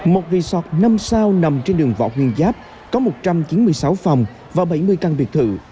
một resort năm sao nằm trên đường võ nguyên giáp có một trăm chín mươi sáu phòng và bảy mươi căn biệt thự